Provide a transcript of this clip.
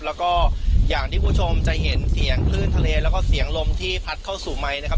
แล้วก็อย่างที่คุณผู้ชมจะเห็นเสียงคลื่นทะเลแล้วก็เสียงลมที่พัดเข้าสู่ไมค์นะครับ